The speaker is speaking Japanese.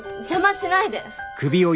邪魔しないで。